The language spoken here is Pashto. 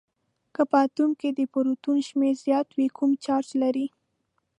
که په اتوم کې د پروتون شمیر زیات وي کوم چارج لري؟